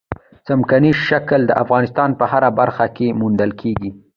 ځمکنی شکل د افغانستان په هره برخه کې موندل کېږي.